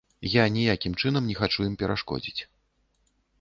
Я ніякім чынам не хачу ім перашкодзіць.